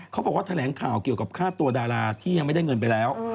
เขาบอกว่าแถลงข่าวเกี่ยวกับค่าตัวดาราที่ยังไม่ได้เงินไปแล้ว